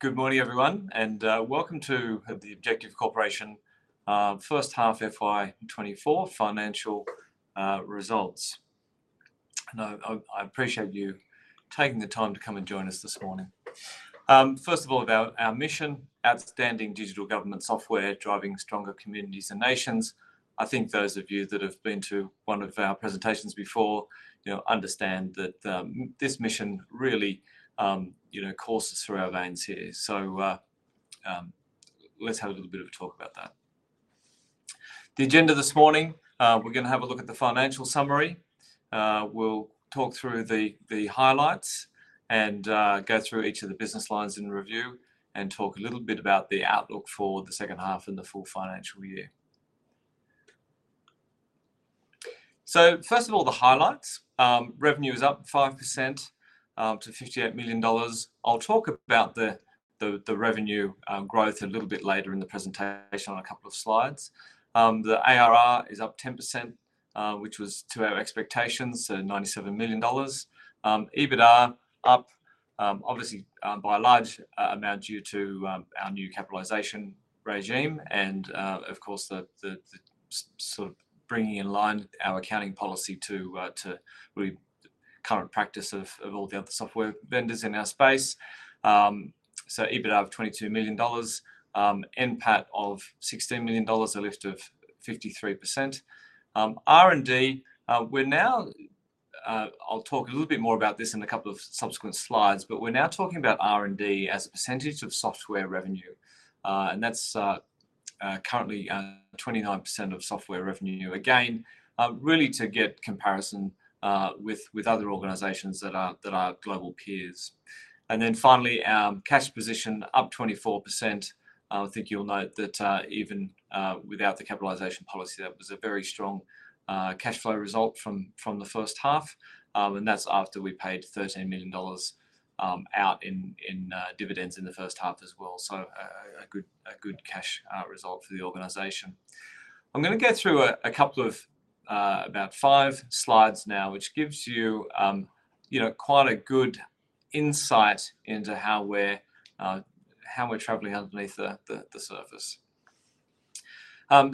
Good morning, everyone, and welcome to the Objective Corporation first half FY24 financial results. I appreciate you taking the time to come and join us this morning. First of all, about our mission: outstanding digital government software driving stronger communities and nations. I think those of you that have been to one of our presentations before understand that this mission really courses through our veins here. Let's have a little bit of a talk about that. The agenda this morning: we're going to have a look at the financial summary, we'll talk through the highlights, and go through each of the business lines in review, and talk a little bit about the outlook for the second half and the full financial year. First of all, the highlights: revenue is up 5% to 58 million dollars. I'll talk about the revenue growth a little bit later in the presentation on a couple of slides. The ARR is up 10%, which was to our expectations, so 97 million dollars. EBITDA up, obviously by a large amount due to our new capitalization regime and, of course, the sort of bringing in line our accounting policy to current practice of all the other software vendors in our space. So EBITDA of 22 million dollars, NPAT of 16 million dollars, a lift of 53%. R&D, we're now I'll talk a little bit more about this in a couple of subsequent slides, but we're now talking about R&D as a percentage of software revenue. And that's currently 29% of software revenue, again, really to get comparison with other organizations that are global peers. And then finally, our cash position up 24%. I think you'll note that even without the capitalisation policy, that was a very strong cash flow result from the first half. That's after we paid 13 million dollars out in dividends in the first half as well. A good cash result for the organization. I'm going to go through about five slides now, which gives you quite a good insight into how we're travelling underneath the surface.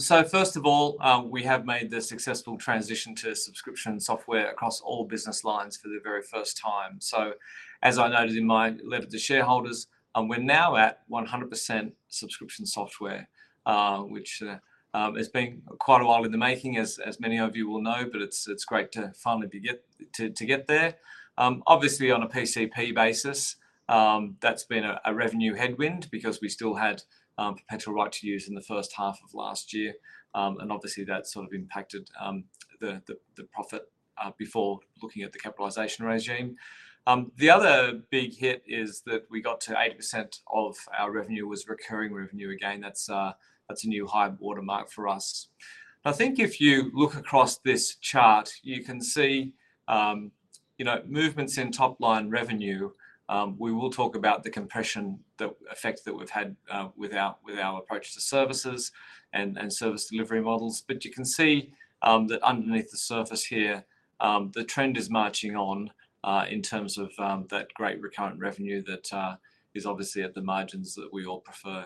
First of all, we have made the successful transition to subscription software across all business lines for the very first time. As I noted in my letter to shareholders, we're now at 100% subscription software, which has been quite a while in the making, as many of you will know, but it's great to finally be to get there. Obviously, on a PCP basis, that's been a revenue headwind because we still had potential right to use in the first half of last year. Obviously, that sort of impacted the profit before looking at the capitalization regime. The other big hit is that we got to 80% of our revenue was recurring revenue. Again, that's a new high watermark for us. I think if you look across this chart, you can see movements in top-line revenue. We will talk about the compression effect that we've had with our approach to services and service delivery models. But you can see that underneath the surface here, the trend is marching on in terms of that great recurring revenue that is obviously at the margins that we all prefer.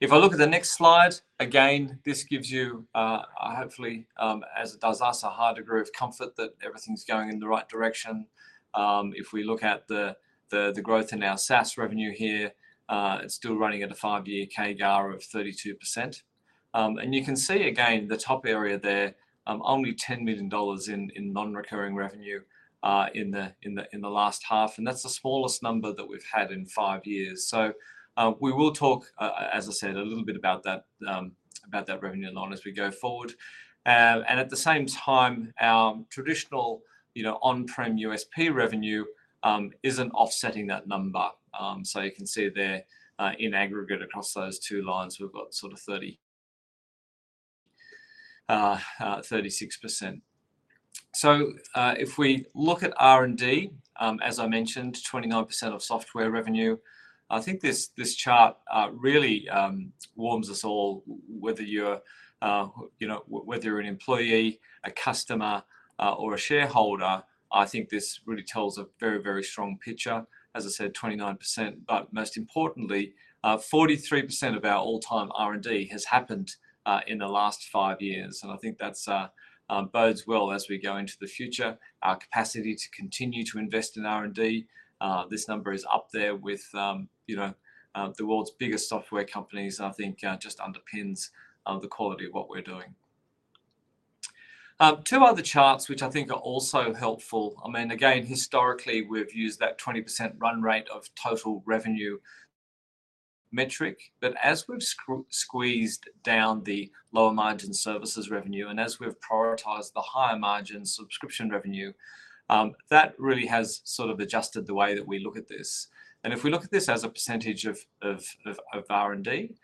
If I look at the next slide, again, this gives you, hopefully, as it does us, a high degree of comfort that everything's going in the right direction. If we look at the growth in our SaaS revenue here, it's still running at a five-year CAGR of 32%. And you can see, again, the top area there, only 10 million dollars in non-recurring revenue in the last half. And that's the smallest number that we've had in five years. So we will talk, as I said, a little bit about that revenue line as we go forward. And at the same time, our traditional on-prem USP revenue isn't offsetting that number. So you can see there in aggregate across those two lines, we've got sort of 36%. So if we look at R&D, as I mentioned, 29% of software revenue, I think this chart really warms us all, whether you're an employee, a customer, or a shareholder. I think this really tells a very, very strong picture. As I said, 29%. But most importantly, 43% of our all-time R&D has happened in the last five years. And I think that bodes well as we go into the future. Our capacity to continue to invest in R&D, this number is up there with the world's biggest software companies, and I think just underpins the quality of what we're doing. Two other charts, which I think are also helpful. I mean, again, historically, we've used that 20% run rate of total revenue metric. But as we've squeezed down the lower margin services revenue and as we've prioritized the higher margin subscription revenue, that really has sort of adjusted the way that we look at this. And if we look at this as a percentage of R&D,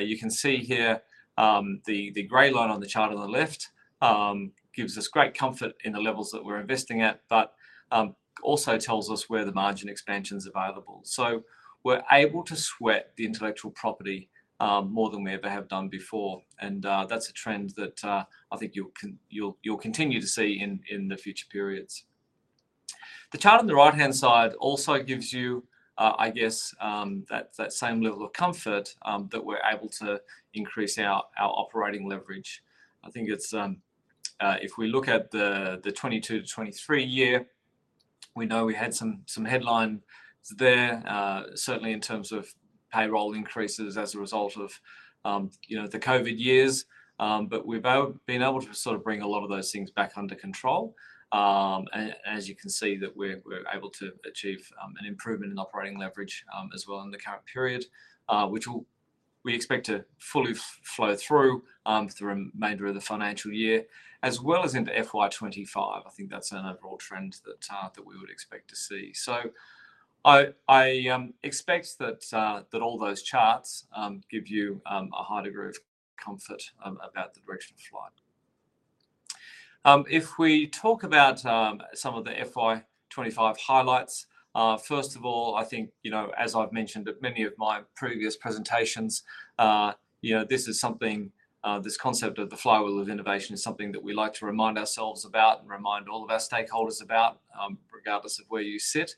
you can see here the gray line on the chart on the left gives us great comfort in the levels that we're investing at, but also tells us where the margin expansion's available. So we're able to sweat the intellectual property more than we ever have done before. And that's a trend that I think you'll continue to see in the future periods. The chart on the right-hand side also gives you, I guess, that same level of comfort that we're able to increase our operating leverage. I think if we look at the 2022 to 2023 year, we know we had some headlines there, certainly in terms of payroll increases as a result of the COVID years. But we've been able to sort of bring a lot of those things back under control. And as you can see, that we're able to achieve an improvement in operating leverage as well in the current period, which we expect to fully flow through the remainder of the financial year, as well as into FY25. I think that's an overall trend that we would expect to see. So I expect that all those charts give you a high degree of comfort about the direction of flight. If we talk about some of the FY25 highlights, first of all, I think, as I've mentioned at many of my previous presentations, this is something this concept of the flywheel of innovation is something that we like to remind ourselves about and remind all of our stakeholders about, regardless of where you sit.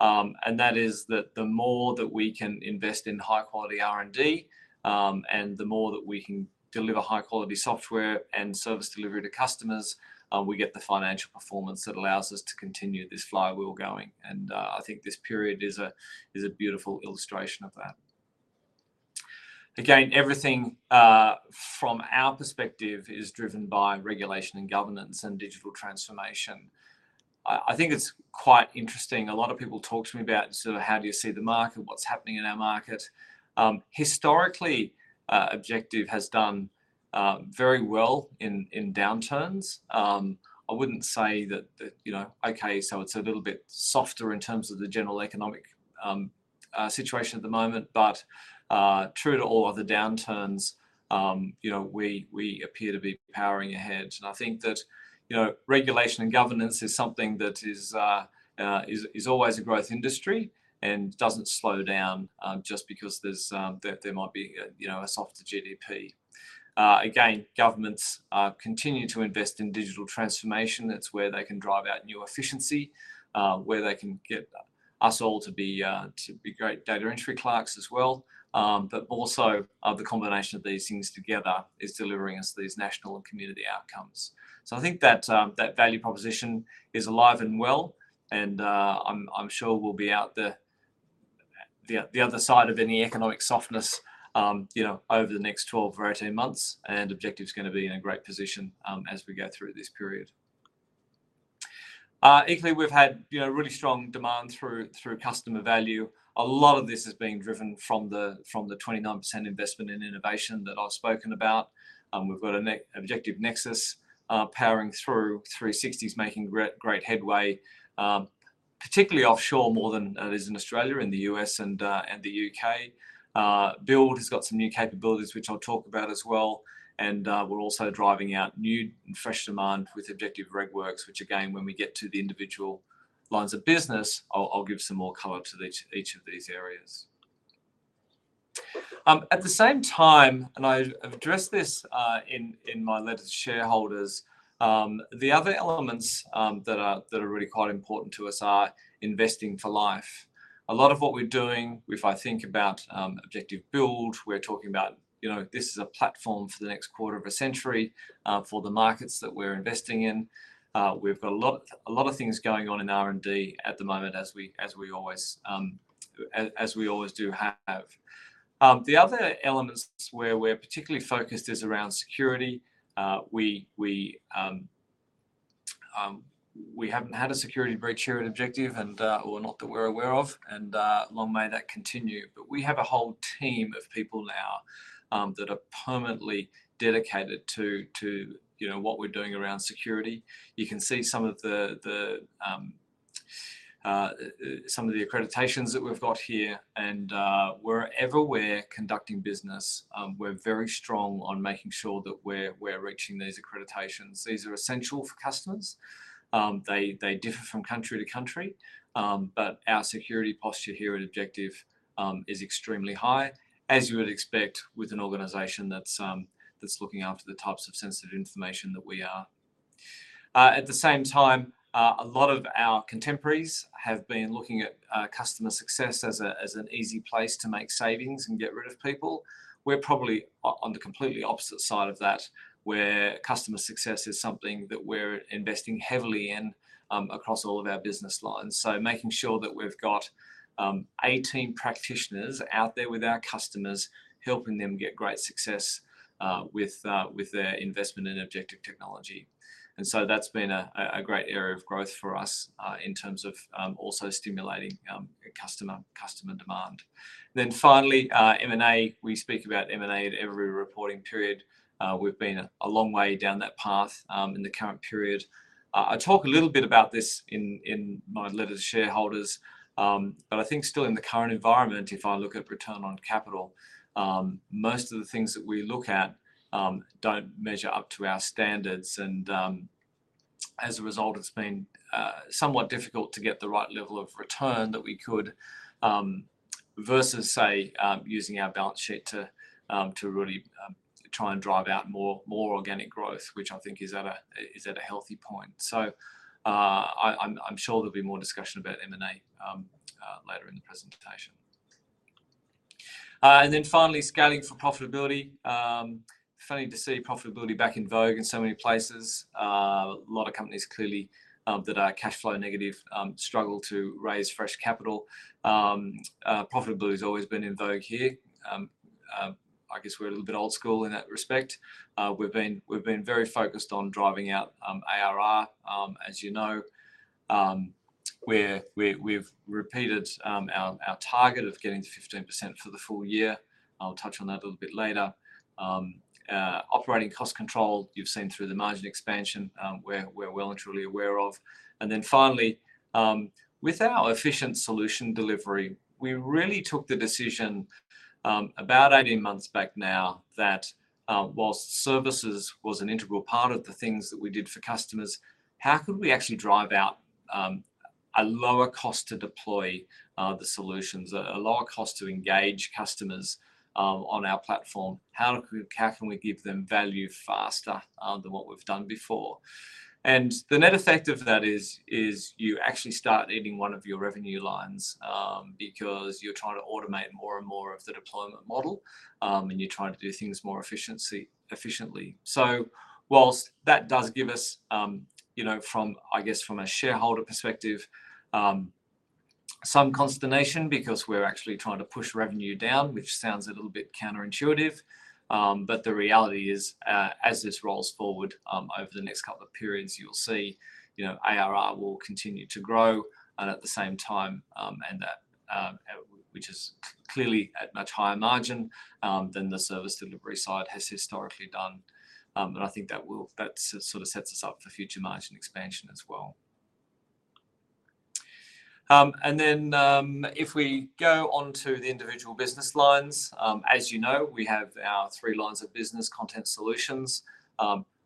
And that is that the more that we can invest in high-quality R&D and the more that we can deliver high-quality software and service delivery to customers, we get the financial performance that allows us to continue this flywheel going. And I think this period is a beautiful illustration of that. Again, everything from our perspective is driven by regulation and governance and digital transformation. I think it's quite interesting. A lot of people talk to me about sort of how do you see the market, what's happening in our market. Historically, Objective has done very well in downturns. I wouldn't say that, "Okay, so it's a little bit softer in terms of the general economic situation at the moment." But true to all other downturns, we appear to be powering ahead. And I think that regulation and governance is something that is always a growth industry and doesn't slow down just because there might be a softer GDP. Again, governments continue to invest in digital transformation. That's where they can drive out new efficiency, where they can get us all to be great data entry clerks as well. But also, the combination of these things together is delivering us these national and community outcomes. So I think that value proposition is alive and well. And I'm sure we'll be out the other side of any economic softness over the next 12 or 18 months. Objective's going to be in a great position as we go through this period. Equally, we've had really strong demand through customer value. A lot of this has been driven from the 29% investment in innovation that I've spoken about. We've got an Objective Nexus powering through, 360's making great headway, particularly offshore more than it is in Australia, in the U.S., and the U.K. Build has got some new capabilities, which I'll talk about as well. We're also driving out new and fresh demand with Objective RegWorks, which, again, when we get to the individual lines of business, I'll give some more color to each of these areas. At the same time, and I've addressed this in my letter to shareholders, the other elements that are really quite important to us are investing for life. A lot of what we're doing, if I think about Objective Build, we're talking about this is a platform for the next quarter of a century for the markets that we're investing in. We've got a lot of things going on in R&D at the moment, as we always do have. The other elements where we're particularly focused is around security. We haven't had a security breach here at Objective, or not that we're aware of. Long may that continue. But we have a whole team of people now that are permanently dedicated to what we're doing around security. You can see some of the accreditations that we've got here. And wherever we're conducting business, we're very strong on making sure that we're reaching these accreditations. These are essential for customers. They differ from country to country. But our security posture here at Objective is extremely high, as you would expect with an organization that's looking after the types of sensitive information that we are. At the same time, a lot of our contemporaries have been looking at customer success as an easy place to make savings and get rid of people. We're probably on the completely opposite side of that, where customer success is something that we're investing heavily in across all of our business lines. So making sure that we've got 18 practitioners out there with our customers, helping them get great success with their investment in Objective technology. And so that's been a great area of growth for us in terms of also stimulating customer demand. Then finally, M&A. We speak about M&A at every reporting period. We've been a long way down that path in the current period. I talk a little bit about this in my letter to shareholders. But I think still in the current environment, if I look at return on capital, most of the things that we look at don't measure up to our standards. And as a result, it's been somewhat difficult to get the right level of return that we could versus, say, using our balance sheet to really try and drive out more organic growth, which I think is at a healthy point. So I'm sure there'll be more discussion about M&A later in the presentation. And then finally, scaling for profitability. Funny to see profitability back in vogue in so many places. A lot of companies clearly that are cash flow negative struggle to raise fresh capital. Profitability's always been in vogue here. I guess we're a little bit old school in that respect. We've been very focused on driving out ARR, as you know. We've repeated our target of getting to 15% for the full year. I'll touch on that a little bit later. Operating cost control, you've seen through the margin expansion, we're well and truly aware of. And then finally, with our efficient solution delivery, we really took the decision about 18 months back now that while services was an integral part of the things that we did for customers, how could we actually drive out a lower cost to deploy the solutions, a lower cost to engage customers on our platform? How can we give them value faster than what we've done before? And the net effect of that is you actually start eating one of your revenue lines because you're trying to automate more and more of the deployment model. And you're trying to do things more efficiently. So while that does give us, I guess from a shareholder perspective, some consternation because we're actually trying to push revenue down, which sounds a little bit counterintuitive. But the reality is, as this rolls forward over the next couple of periods, you'll see ARR will continue to grow. And at the same time, which is clearly at much higher margin than the service delivery side has historically done. And I think that sort of sets us up for future margin expansion as well. And then if we go onto the individual business lines, as you know, we have our three lines of business: Content Solutions.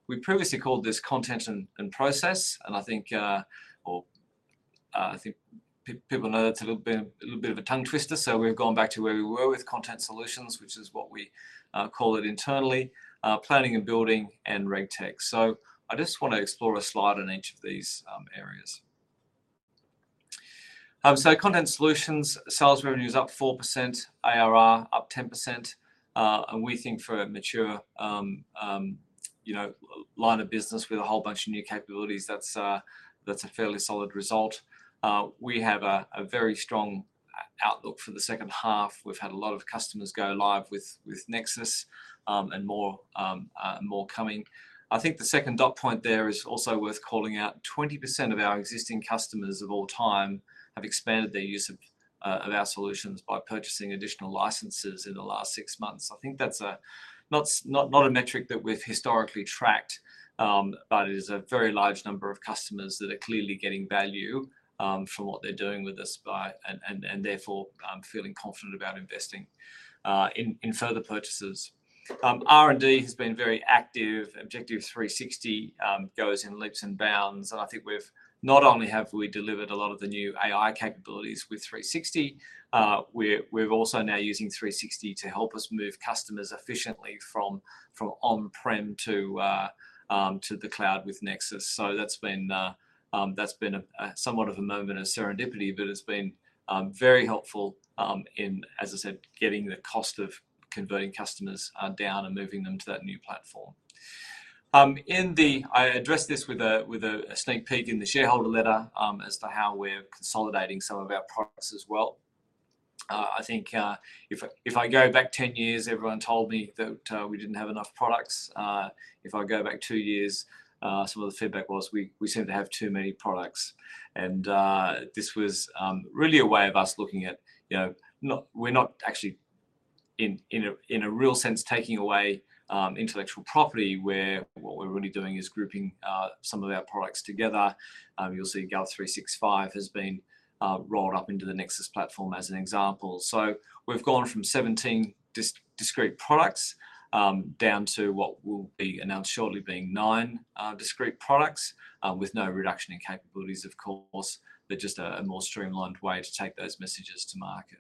We previously called this Content and Process. And I think people know that's a little bit of a tongue twister. So we've gone back to where we were with Content Solutions, which is what we call it internally, planning and building and RegTech. So I just want to explore a slide on each of these areas. Content Solutions, sales revenue is up 4%, ARR up 10%. We think for a mature line of business with a whole bunch of new capabilities, that's a fairly solid result. We have a very strong outlook for the second half. We've had a lot of customers go live with Nexus and more coming. I think the second dot point there is also worth calling out. 20% of our existing customers of all time have expanded their use of our solutions by purchasing additional licenses in the last six months. I think that's not a metric that we've historically tracked. But it is a very large number of customers that are clearly getting value from what they're doing with us and therefore feeling confident about investing in further purchases. R&D has been very active. Objective 360 goes in leaps and bounds. I think not only have we delivered a lot of the new AI capabilities with 360, we're also now using 360 to help us move customers efficiently from on-prem to the cloud with Nexus. That's been somewhat of a moment of serendipity. It's been very helpful in, as I said, getting the cost of converting customers down and moving them to that new platform. I addressed this with a sneak peek in the shareholder letter as to how we're consolidating some of our products as well. I think if I go back 10 years, everyone told me that we didn't have enough products. If I go back two years, some of the feedback was we seem to have too many products. This was really a way of us looking at we're not actually, in a real sense, taking away intellectual property where what we're really doing is grouping some of our products together. You'll see GOV365 has been rolled up into the Nexus platform as an example. So we've gone from 17 discrete products down to what will be announced shortly being nine discrete products with no reduction in capabilities, of course, but just a more streamlined way to take those messages to market.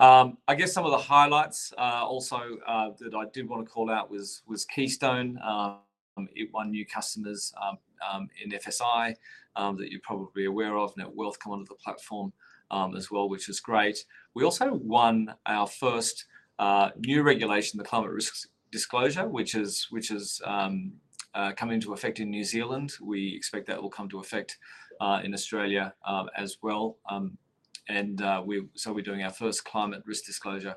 I guess some of the highlights also that I did want to call out was Keystone. It won new customers in FSI that you're probably aware of. Netwealth come onto the platform as well, which is great. We also won our first new regulation, the climate risk disclosure, which is coming to effect in New Zealand. We expect that will come to effect in Australia as well. So we're doing our first climate risk disclosure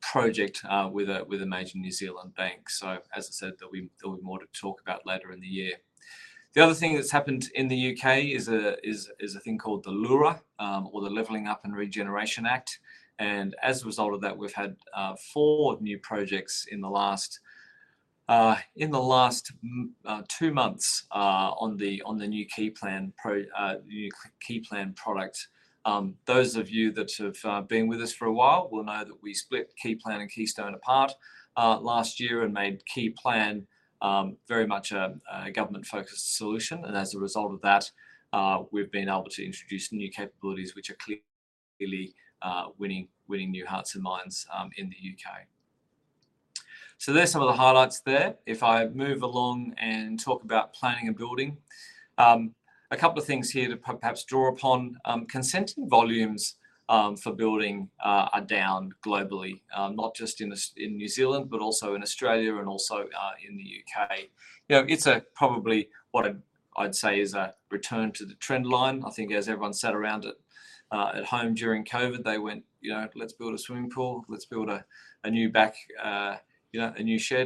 project with a major New Zealand bank. So, as I said, there'll be more to talk about later in the year. The other thing that's happened in the U.K. is a thing called the LURA or the Levelling-up and Regeneration Act. As a result of that, we've had four new projects in the last two months on the new KeyPlan product. Those of you that have been with us for a while will know that we split KeyPlan and Keystone apart last year and made KeyPlan very much a government-focused solution. As a result of that, we've been able to introduce new capabilities which are clearly winning new hearts and minds in the U.K. So there's some of the highlights there. If I move along and talk about planning and building, a couple of things here to perhaps draw upon. Consenting volumes for building are down globally, not just in New Zealand but also in Australia and also in the U.K. It's probably what I'd say is a return to the trend line. I think as everyone sat around it at home during COVID, they went, "Let's build a swimming pool. Let's build a new shed.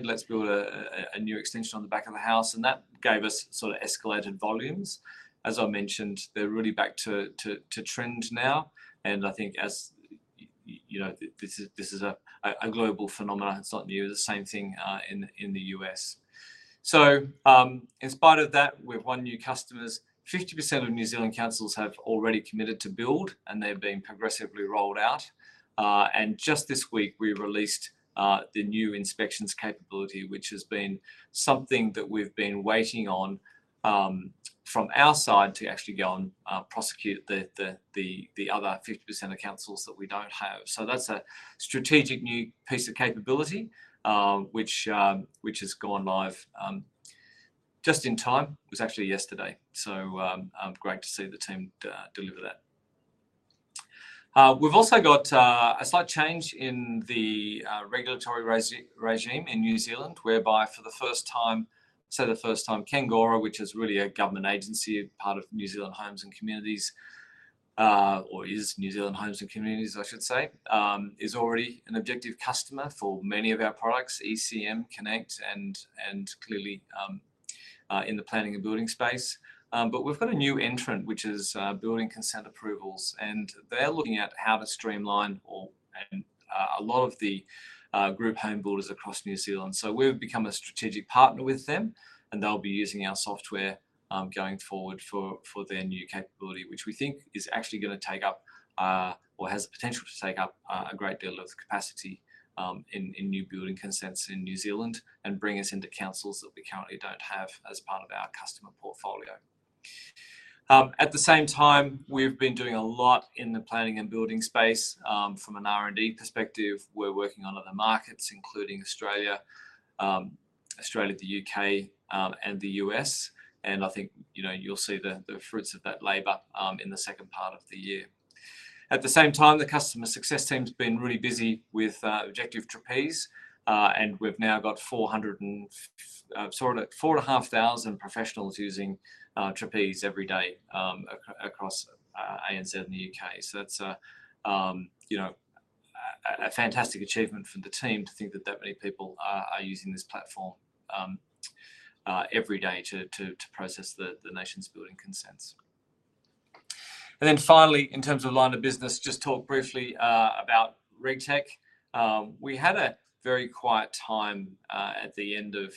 Let's build a new extension on the back of the house." And that gave us sort of escalated volumes. As I mentioned, they're really back to trend now. And I think this is a global phenomenon. It's not new. It's the same thing in the U.S. So in spite of that, we've won new customers. 50% of New Zealand councils have already committed to build. And they've been progressively rolled out. Just this week, we released the new inspections capability, which has been something that we've been waiting on from our side to actually go and prosecute the other 50% of councils that we don't have. So that's a strategic new piece of capability which has gone live just in time. It was actually yesterday. So great to see the team deliver that. We've also got a slight change in the regulatory regime in New Zealand whereby for the first time, say the first time, Kāinga Ora, which is really a government agency, part of New Zealand Homes and Communities or is New Zealand Homes and Communities, I should say, is already an Objective customer for many of our products, ECM, Connect, and clearly in the planning and building space. But we've got a new entrant which is Building Consent Approvals. They're looking at how to streamline a lot of the group home builders across New Zealand. We've become a strategic partner with them. They'll be using our software going forward for their new capability, which we think is actually going to take up or has the potential to take up a great deal of capacity in new building consents in New Zealand and bring us into councils that we currently don't have as part of our customer portfolio. At the same time, we've been doing a lot in the planning and building space. From an R&D perspective, we're working on other markets including Australia, the U.K., and the U.S. I think you'll see the fruits of that labor in the second part of the year. At the same time, the customer success team's been really busy with Objective Trapeze. We've now got 4,500 professionals using Trapeze every day across ANZ and the U.K. So that's a fantastic achievement for the team to think that that many people are using this platform every day to process the nation's building consents. And then finally, in terms of line of business, just talk briefly about RegTech. We had a very quiet time at the end of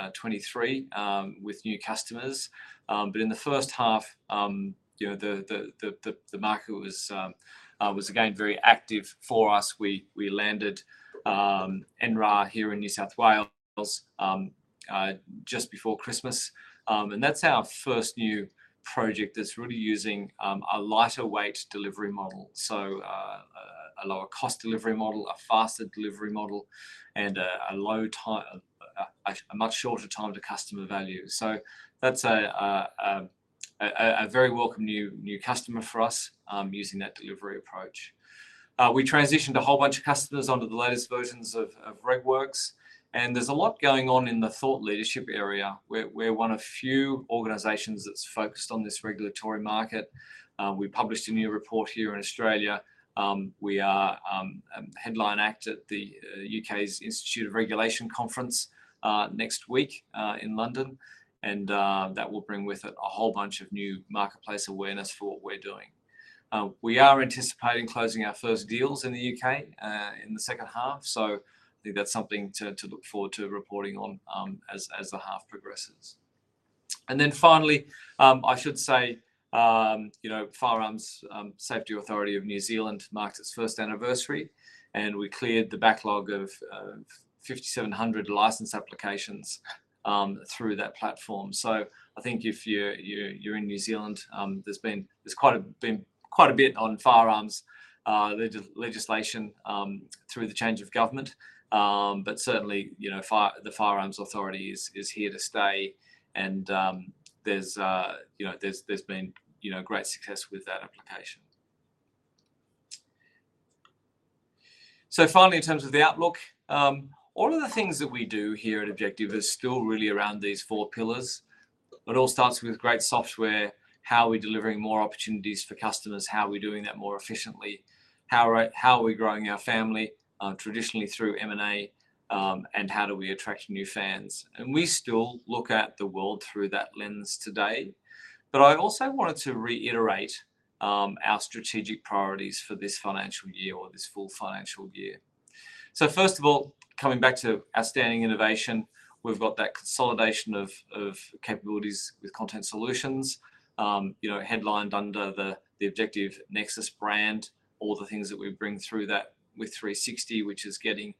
FY2023 with new customers. But in the first half, the market was again very active for us. We landed NRAR here in New South Wales just before Christmas. And that's our first new project that's really using a lighter weight delivery model. So a lower cost delivery model, a faster delivery model, and a much shorter time to customer value. So that's a very welcome new customer for us using that delivery approach. We transitioned a whole bunch of customers onto the latest versions of RegWorks. And there's a lot going on in the thought leadership area. We're one of few organizations that's focused on this regulatory market. We published a new report here in Australia. We are headline act at the U.K.'s Institute of Regulation conference next week in London. And that will bring with it a whole bunch of new marketplace awareness for what we're doing. We are anticipating closing our first deals in the U.K. in the second half. So I think that's something to look forward to reporting on as the half progresses. And then finally, I should say Firearms Safety Authority of New Zealand marked its first anniversary. And we cleared the backlog of 5,700 license applications through that platform. So, I think if you're in New Zealand, there's quite a bit on firearms legislation through the change of government. But certainly, the Firearms Authority is here to stay. And there's been great success with that application. So finally, in terms of the outlook, all of the things that we do here at Objective are still really around these four pillars. It all starts with great software, how we're delivering more opportunities for customers, how we're doing that more efficiently, how we're growing our family traditionally through M&A, and how do we attract new fans. And we still look at the world through that lens today. But I also wanted to reiterate our strategic priorities for this financial year or this full financial year. So first of all, coming back to outstanding innovation, we've got that consolidation of capabilities with content solutions headlined under the Objective Nexus brand, all the things that we bring through that with 360, which is getting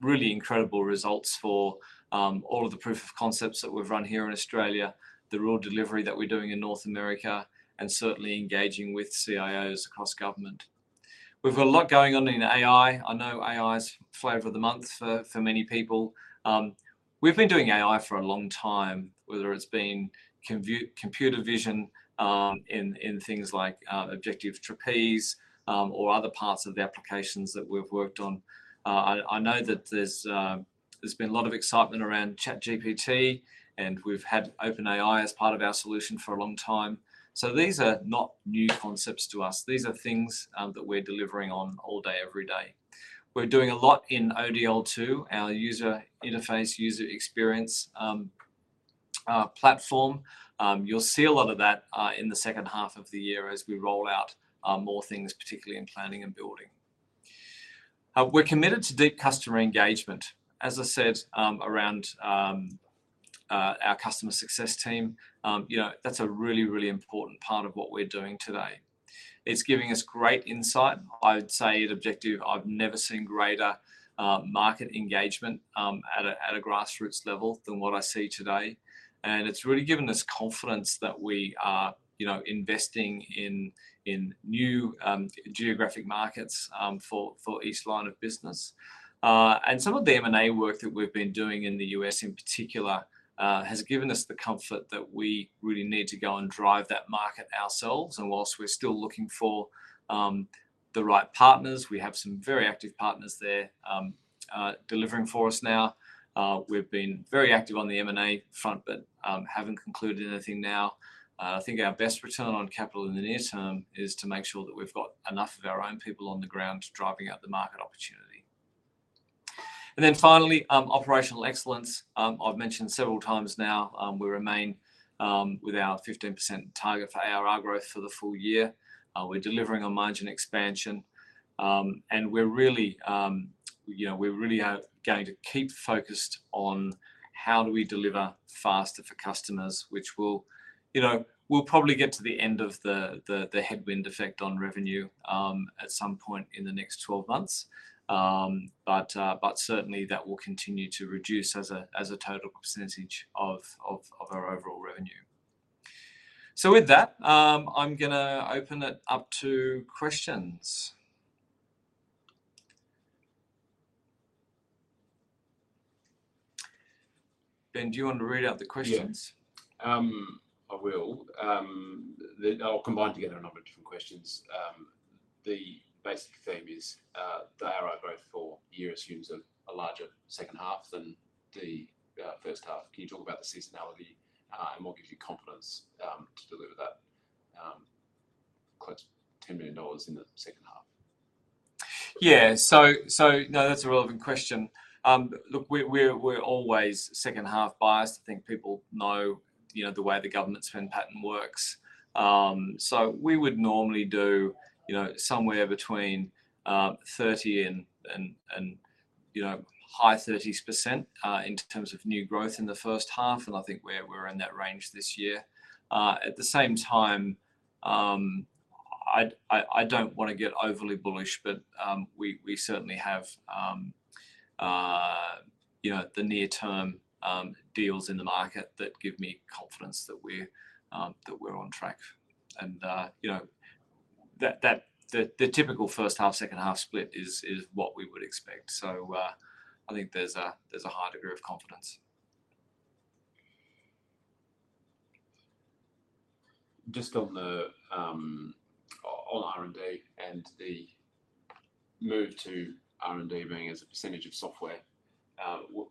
really incredible results for all of the proof of concepts that we've run here in Australia, the real delivery that we're doing in North America, and certainly engaging with CIOs across government. We've got a lot going on in AI. I know AI is the flavor of the month for many people. We've been doing AI for a long time, whether it's been computer vision in things like Objective Trapeze or other parts of the applications that we've worked on. I know that there's been a lot of excitement around ChatGPT. And we've had OpenAI as part of our solution for a long time. So these are not new concepts to us. These are things that we're delivering on all day, every day. We're doing a lot in ODL2, our user interface user experience platform. You'll see a lot of that in the second half of the year as we roll out more things, particularly in planning and building. We're committed to deep customer engagement. As I said around our customer success team, that's a really, really important part of what we're doing today. It's giving us great insight. I'd say at Objective, I've never seen greater market engagement at a grassroots level than what I see today. And it's really given us confidence that we are investing in new geographic markets for each line of business. And some of the M&A work that we've been doing in the U.S. in particular has given us the comfort that we really need to go and drive that market ourselves. While we're still looking for the right partners, we have some very active partners there delivering for us now. We've been very active on the M&A front but haven't concluded anything now. I think our best return on capital in the near term is to make sure that we've got enough of our own people on the ground driving up the market opportunity. Then finally, operational excellence. I've mentioned several times now we remain with our 15% target for ARR growth for the full year. We're delivering on margin expansion. We're really going to keep focused on how do we deliver faster for customers, which we'll probably get to the end of the headwind effect on revenue at some point in the next 12 months. Certainly, that will continue to reduce as a total percentage of our overall revenue. With that, I'm going to open it up to questions. Ben, do you want to read out the questions? Yeah. I will. I'll combine together a number of different questions. The basic theme is the ARR growth for the year assumes a larger second half than the first half. Can you talk about the seasonality? And what gives you confidence to deliver that close to AUD 10 million in the second half? Yeah. So no, that's a relevant question. Look, we're always second-half biased. I think people know the way the government's fan pattern works. So we would normally do somewhere between 30%-high 30% in terms of new growth in the first half. And I think we're in that range this year. At the same time, I don't want to get overly bullish. But we certainly have the near-term deals in the market that give me confidence that we're on track. And the typical first-half, second-half split is what we would expect. So I think there's a high degree of confidence. Just on R&D and the move to R&D being as a percentage of software,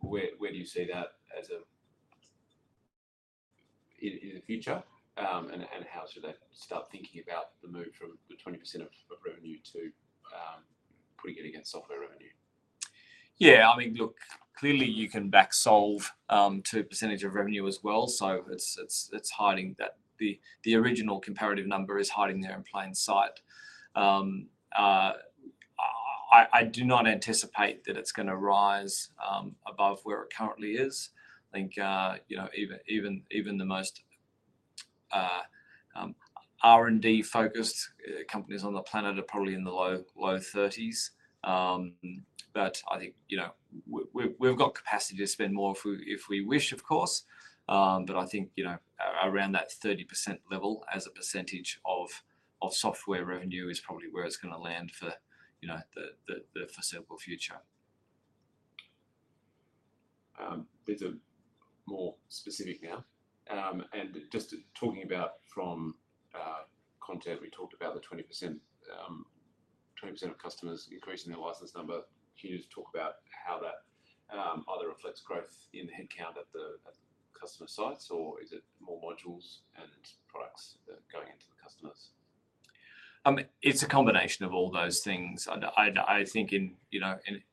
where do you see that in the future? And how should I start thinking about the move from the 20% of revenue to putting it against software revenue? Yeah. I mean, look, clearly, you can back-solve 2% of revenue as well. So it's hiding that the original comparative number is hiding there in plain sight. I do not anticipate that it's going to rise above where it currently is. I think even the most R&D-focused companies on the planet are probably in the low 30s. But I think we've got capacity to spend more if we wish, of course. But I think around that 30% level as a percentage of software revenue is probably where it's going to land for the foreseeable future. A bit more specific now. Just talking about from Content, we talked about the 20% of customers increasing their license number. Can you just talk about how that either reflects growth in the headcount at the customer sites? Or is it more modules and products going into the customers? It's a combination of all those things. I think in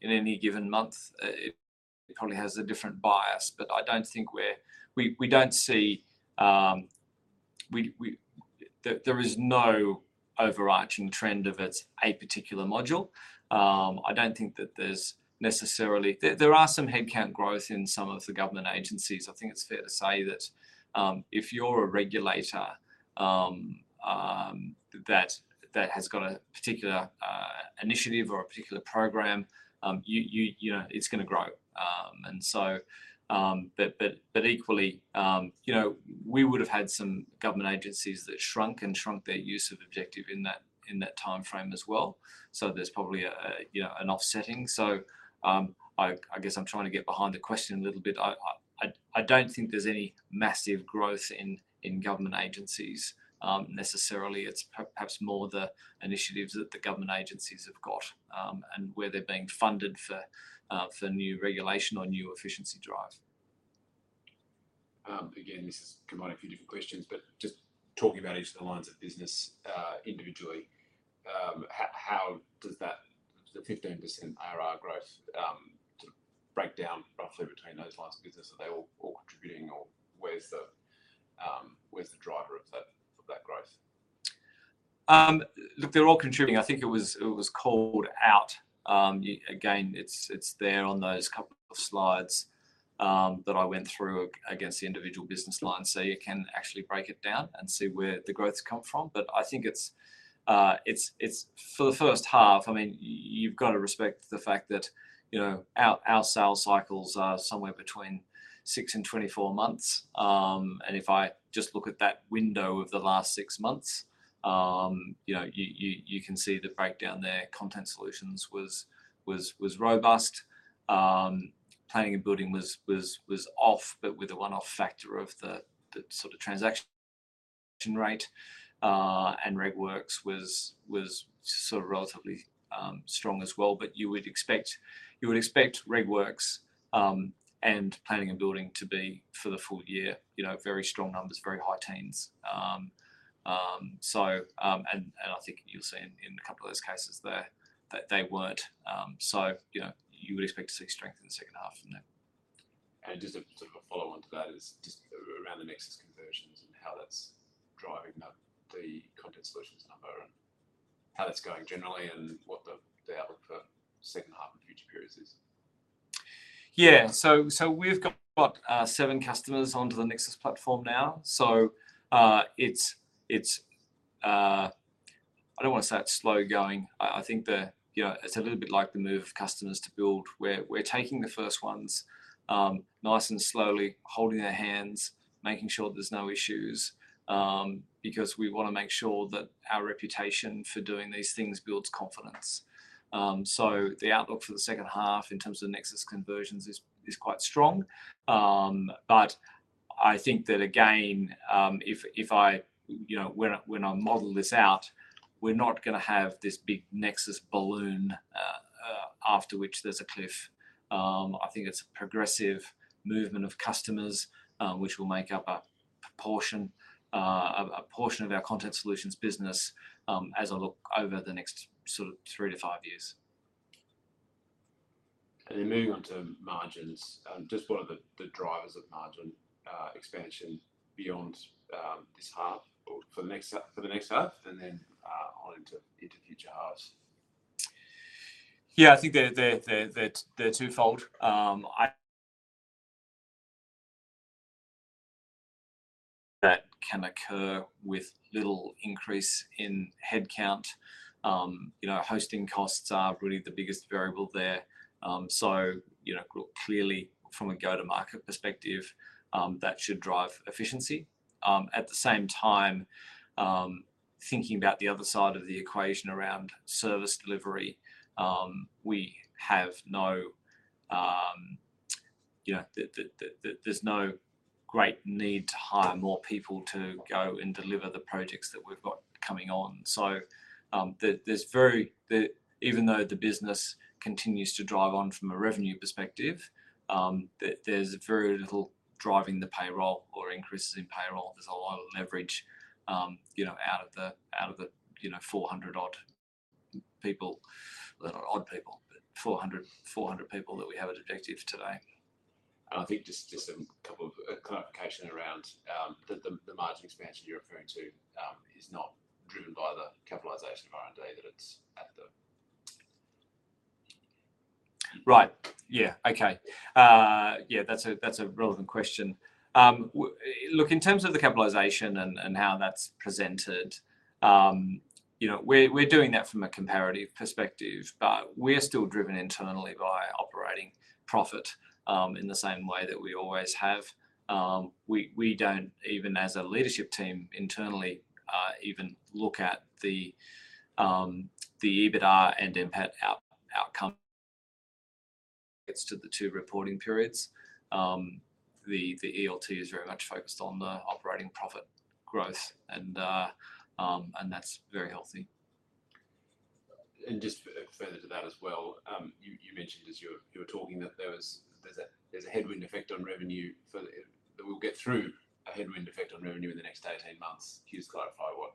any given month, it probably has a different bias. But I don't think we don't see there is no overarching trend of it's a particular module. I don't think that there's necessarily there are some headcount growth in some of the government agencies. I think it's fair to say that if you're a regulator that has got a particular initiative or a particular program, it's going to grow. But equally, we would have had some government agencies that shrunk their use of Objective in that timeframe as well. So there's probably an offsetting. So I guess I'm trying to get behind the question a little bit. I don't think there's any massive growth in government agencies necessarily. It's perhaps more the initiatives that the government agencies have got and where they're being funded for new regulation or new efficiency drive. Again, this is combining a few different questions. But just talking about each of the lines of business individually, how does the 15% ARR growth break down roughly between those lines of business? Are they all contributing? Or where's the driver of that growth? Look, they're all contributing. I think it was called out. Again, it's there on those couple of slides that I went through against the individual business lines. So you can actually break it down and see where the growth's come from. But I think it's for the first half, I mean, you've got to respect the fact that our sales cycles are somewhere between six-24 months. And if I just look at that window of the last six months, you can see the breakdown there. Content Solutions was robust. Planning and Building was off but with a one-off factor of the sort of transaction rate. And RegWorks was sort of relatively strong as well. But you would expect RegWorks and Planning and Building to be for the full year very strong numbers, very high teens. I think you'll see in a couple of those cases there that they weren't. You would expect to see strength in the second half from that. Just sort of a follow-on to that is just around the Nexus conversions and how that's driving up the Content Solutions number and how that's going generally and what the outlook for second half and future periods is? Yeah. So we've got seven customers onto the Nexus platform now. So I don't want to say it's slow going. I think it's a little bit like the move of customers to Build. We're taking the first ones nice and slowly, holding their hands, making sure there's no issues. Because we want to make sure that our reputation for doing these things builds confidence. So the outlook for the second half in terms of the Nexus conversions is quite strong. But I think that, again, when I model this out, we're not going to have this big Nexus balloon after which there's a cliff. I think it's a progressive movement of customers, which will make up a portion of our Content Solutions business as I look over the next sort of three to five years. Moving on to margins, just what are the drivers of margin expansion beyond this half or for the next half and then on into future halves? Yeah. I think they're twofold. That can occur with little increase in headcount. Hosting costs are really the biggest variable there. So clearly, from a go-to-market perspective, that should drive efficiency. At the same time, thinking about the other side of the equation around service delivery, there's no great need to hire more people to go and deliver the projects that we've got coming on. So even though the business continues to drive on from a revenue perspective, there's very little driving the payroll or increases in payroll. There's a lot of leverage out of the 400-odd people not odd people, but 400 people that we have at Objective today. I think just a couple of clarification around the margin expansion you're referring to is not driven by the capitalization of R&D that it's at the. Right. Yeah. Okay. Yeah. That's a relevant question. Look, in terms of the capitalization and how that's presented, we're doing that from a comparative perspective. But we're still driven internally by operating profit in the same way that we always have. We don't even, as a leadership team internally, even look at the EBITDA and NPAT outcome as to the two reporting periods. The ELT is very much focused on the operating profit growth. That's very healthy. Just further to that as well, you mentioned as you were talking that there's a headwind effect on revenue for that we'll get through a headwind effect on revenue in the next 18 months. Can you just clarify what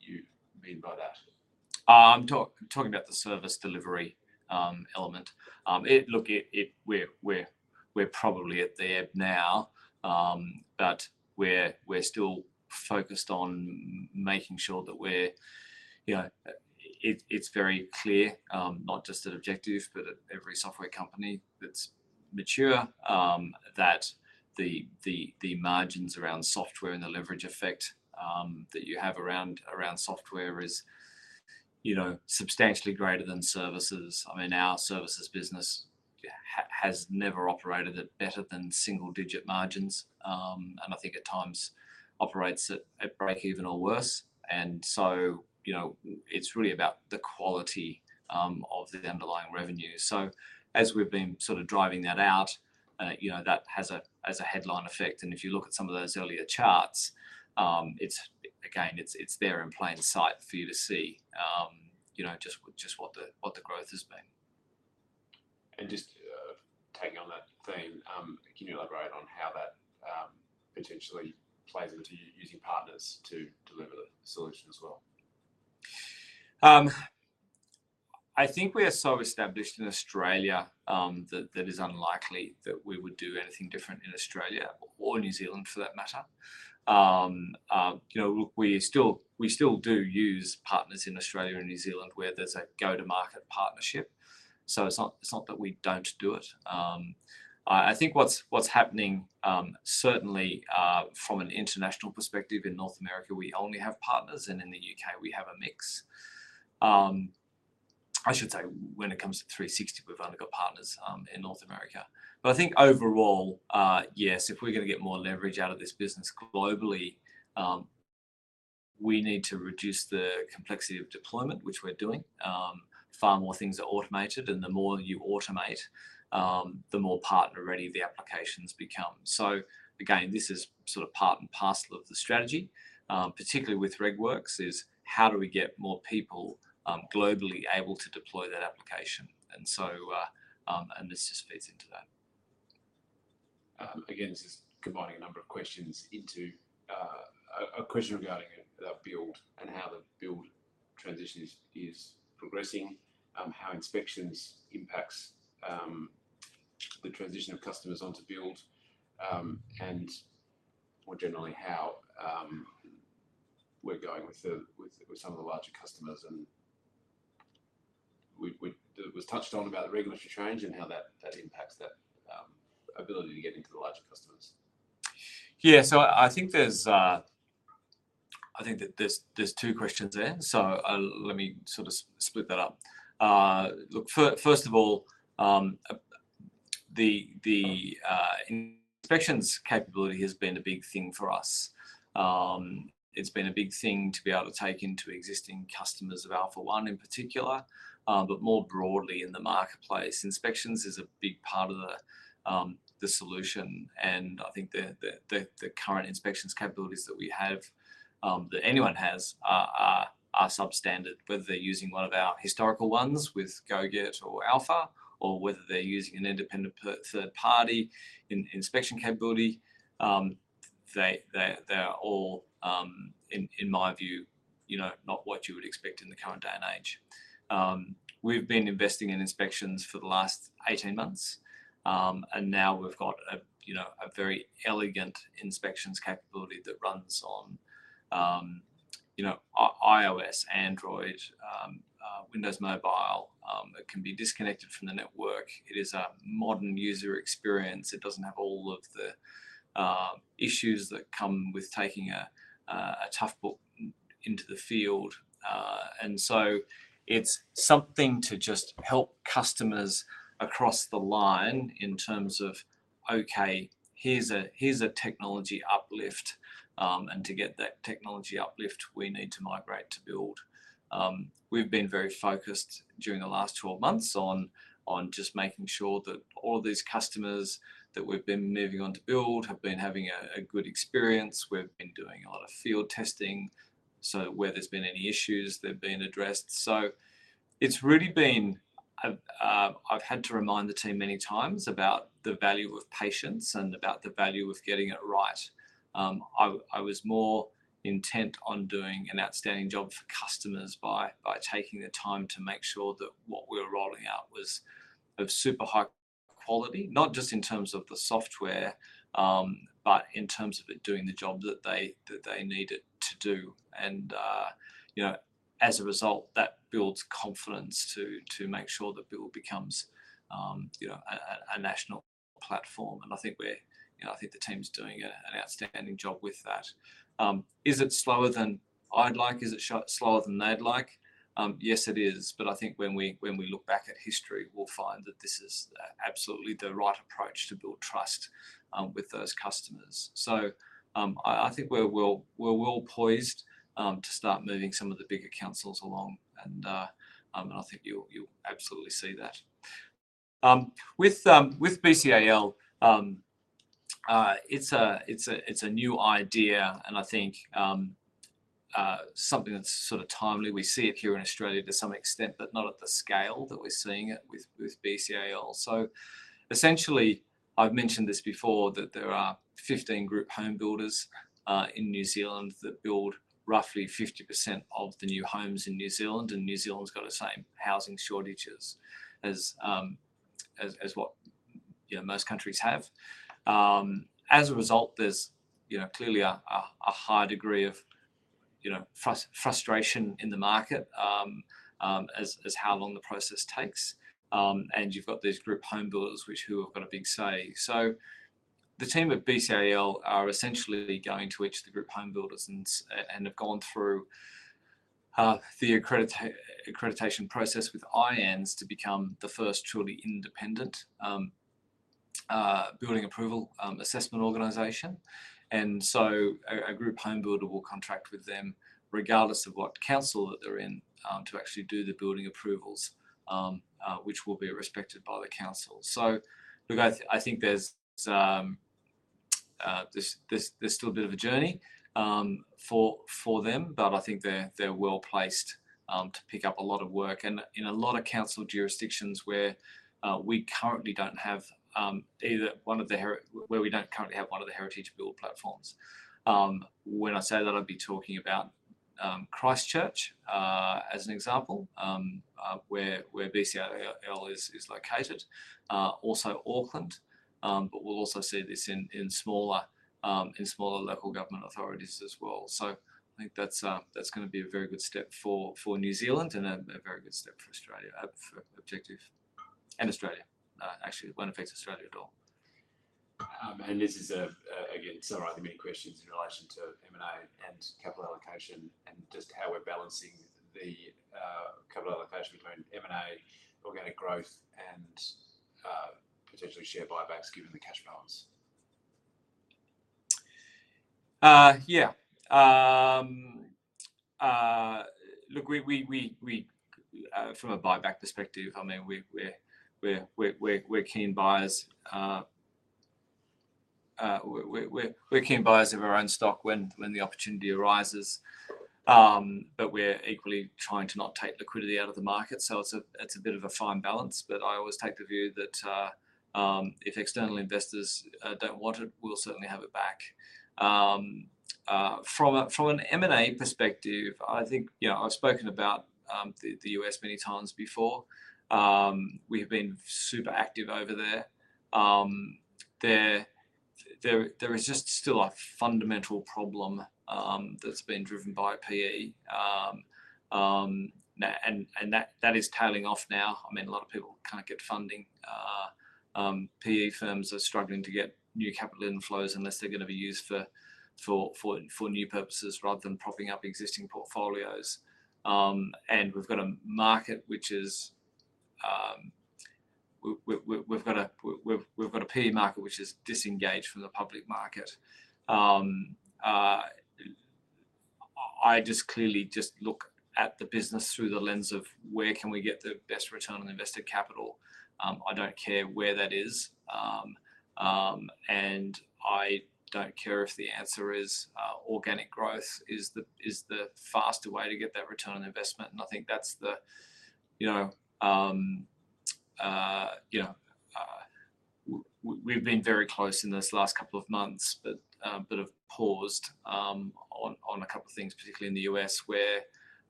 you mean by that? I'm talking about the service delivery element. Look, we're probably at there now. But we're still focused on making sure that we're—it's very clear, not just at Objective but at every software company that's mature, that the margins around software and the leverage effect that you have around software is substantially greater than services. I mean, our services business has never operated it better than single-digit margins. And I think at times operates at break-even or worse. And so it's really about the quality of the underlying revenue. So as we've been sort of driving that out, that has a headline effect. And if you look at some of those earlier charts, again, it's there in plain sight for you to see just what the growth has been. Just taking on that theme, can you elaborate on how that potentially plays into using partners to deliver the solution as well? I think we are so established in Australia that it is unlikely that we would do anything different in Australia or New Zealand for that matter. Look, we still do use partners in Australia and New Zealand where there's a go-to-market partnership. So it's not that we don't do it. I think what's happening, certainly from an international perspective, in North America, we only have partners. And in the UK, we have a mix. I should say when it comes to 360, we've only got partners in North America. But I think overall, yes, if we're going to get more leverage out of this business globally, we need to reduce the complexity of deployment, which we're doing. Far more things are automated. And the more you automate, the more partner-ready the applications become. So again, this is sort of part and parcel of the strategy, particularly with RegWorks, is how do we get more people globally able to deploy that application? And this just feeds into that. Again, this is combining a number of questions into a question regarding that build and how the build transition is progressing, how inspections impacts the transition of customers onto build, and more generally, how we're going with some of the larger customers. It was touched on about the regulatory change and how that impacts that ability to get into the larger customers. Yeah. So I think there's I think that there's two questions there. So let me sort of split that up. Look, first of all, the inspections capability has been a big thing for us. It's been a big thing to be able to take into existing customers of AlphaOne in particular but more broadly in the marketplace. Inspections is a big part of the solution. And I think the current inspections capabilities that we have that anyone has are substandard, whether they're using one of our historical ones with GoGet or Alpha or whether they're using an independent third-party inspection capability. They are all, in my view, not what you would expect in the current day and age. We've been investing in inspections for the last 18 months. And now we've got a very elegant inspections capability that runs on iOS, Android, Windows Mobile. It can be disconnected from the network. It is a modern user experience. It doesn't have all of the issues that come with taking a tough book into the field. And so it's something to just help customers across the line in terms of, "Okay. Here's a technology uplift. And to get that technology uplift, we need to migrate to build." We've been very focused during the last 12 months on just making sure that all of these customers that we've been moving on to build have been having a good experience. We've been doing a lot of field testing. So where there's been any issues, they've been addressed. So it's really been. I've had to remind the team many times about the value of patience and about the value of getting it right. I was more intent on doing an outstanding job for customers by taking the time to make sure that what we were rolling out was of super high quality, not just in terms of the software but in terms of it doing the job that they need it to do. And as a result, that builds confidence to make sure that build becomes a national platform. And I think we're I think the team's doing an outstanding job with that. Is it slower than I'd like? Is it slower than they'd like? Yes, it is. But I think when we look back at history, we'll find that this is absolutely the right approach to build trust with those customers. So I think we're well poised to start moving some of the bigger councils along. And I think you'll absolutely see that. With BCAL, it's a new idea and I think something that's sort of timely. We see it here in Australia to some extent but not at the scale that we're seeing it with BCAL. So essentially, I've mentioned this before, that there are 15 group home builders in New Zealand that build roughly 50% of the new homes in New Zealand. And New Zealand's got the same housing shortages as what most countries have. As a result, there's clearly a high degree of frustration in the market at how long the process takes. And you've got these group home builders who have got a big say. So the team at BCAL are essentially going to each of the group home builders and have gone through the accreditation process with IANZ to become the first truly independent building approval assessment organization. And so a group home builder will contract with them regardless of what council that they're in to actually do the building approvals, which will be respected by the council. So look, I think there's still a bit of a journey for them. But I think they're well placed to pick up a lot of work. And in a lot of council jurisdictions where we currently don't have one of the Objective Build platforms. When I say that, I'd be talking about Christchurch as an example where BCAL is located, also Auckland. But we'll also see this in smaller local government authorities as well. So I think that's going to be a very good step for New Zealand and a very good step for Objective and Australia, actually, won't affect Australia at all. This is, again, summarizing many questions in relation to M&A and capital allocation and just how we're balancing the capital allocation between M&A, organic growth, and potentially share buybacks given the cash balance. Yeah. Look, from a buyback perspective, I mean, we're keen buyers. We're keen buyers of our own stock when the opportunity arises. But we're equally trying to not take liquidity out of the market. So it's a bit of a fine balance. But I always take the view that if external investors don't want it, we'll certainly have it back. From an M&A perspective, I think I've spoken about the U.S. many times before. We have been super active over there. There is just still a fundamental problem that's been driven by PE. And that is tailing off now. I mean, a lot of people can't get funding. PE firms are struggling to get new capital inflows unless they're going to be used for new purposes rather than propping up existing portfolios. We've got a PE market which is disengaged from the public market. I just clearly look at the business through the lens of where can we get the best return on invested capital? I don't care where that is. I don't care if the answer is organic growth is the faster way to get that return on investment. I think that's why we've been very close in this last couple of months but have paused on a couple of things, particularly in the U.S., where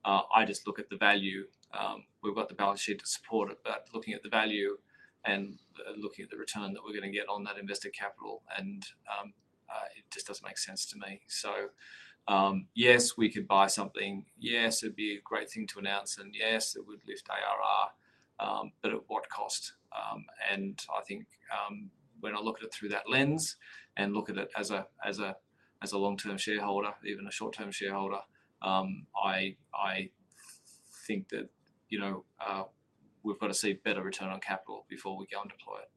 I just look at the value. We've got the balance sheet to support it. Looking at the value and looking at the return that we're going to get on that invested capital, it just doesn't make sense to me. Yes, we could buy something. Yes, it'd be a great thing to announce. Yes, it would lift ARR. But at what cost? I think when I look at it through that lens and look at it as a long-term shareholder, even a short-term shareholder, I think that we've got to see better return on capital before we go and deploy it.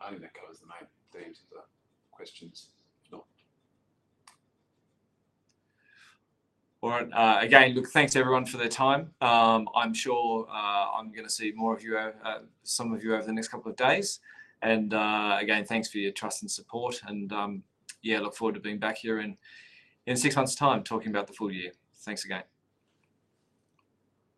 I think that covers the main themes of the questions, if not. All right. Again, look, thanks, everyone, for their time. I'm sure I'm going to see more of you, some of you, over the next couple of days. And again, thanks for your trust and support. And yeah, look forward to being back here in six months' time talking about the full year. Thanks again.